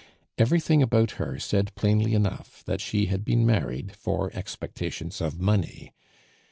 Everything about her said plainly enough that she had been married for expectations of money.